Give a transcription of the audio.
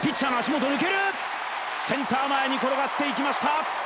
センター前に転がっていきました。